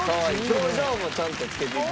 表情もちゃんとつけて頂いて。